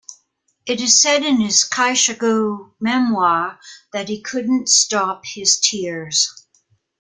It is said in his kaishaku memoir that he couldn't stop his tears.